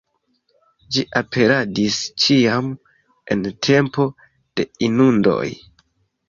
Ĝi aperadis ĉiam en tempo de inundoj.